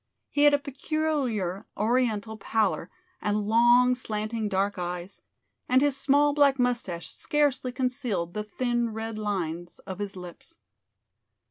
He had a peculiar Oriental pallor and long, slanting dark eyes, and his small black moustache scarcely concealed the thin red lines of his lips.